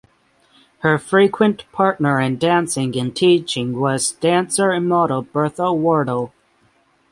Her frequent partner in dancing and teaching was dancer and model Bertha Wardell.